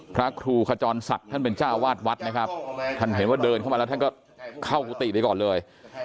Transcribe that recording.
พระครูขจรศักดิ์ท่านเป็นเจ้าวาดวัดนะครับท่านเห็นว่าเดินเข้ามาแล้วท่านก็เข้ากุฏิไปก่อนเลย